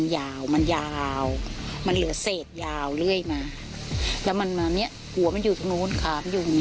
ถามคนแถวนี้ไม่มีใครตาย